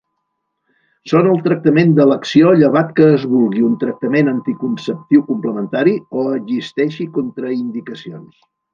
Són el tractament d'elecció llevat que es vulgui un tractament anticonceptiu complementari o existeixi contraindicacions.